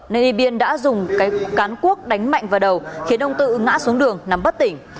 nên y biên đã dùng cái cán cuốc đánh mạnh vào đầu khiến ông tự ngã xuống đường nằm bất tỉnh